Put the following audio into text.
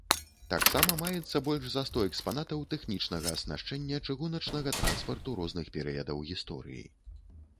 Таксама маецца больш за сто экспанатаў тэхнічнага аснашчэння чыгуначнага транспарту розных перыядаў гісторыі.